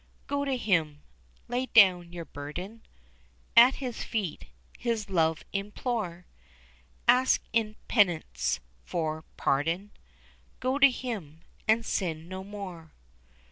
Go to Him! lay down your burden, At His feet His love implore, Ask in penitence for pardon; Go to Him and sin no more.